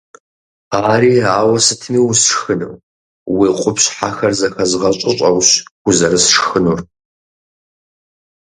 Ари ауэ сытми усшхыну, уи къупщхьэхэр зэхэзгъэщӀыщӀэущ узэрысшхынур.